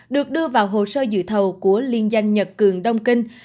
được đưa vào hội đồng